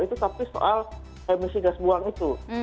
itu tapi soal emisi gas buang itu